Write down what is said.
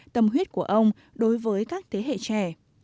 tâm huyết của ông đối với các thế hệ trẻ